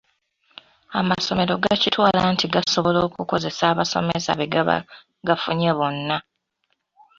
Amasomero gakitwala nti gasobola okukozesa abasomesa be gaba gafunye bonna.